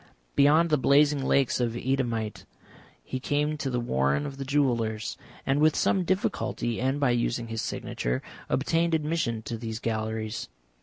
Beyond the blazing lakes of Eadhamite he came to the warren of the jewellers, and, with some difficulty and by using his signature, obtained admission to these galleries.